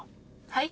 はい。